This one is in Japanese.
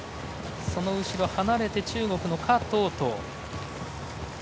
その後ろ、離れて中国の華棟棟。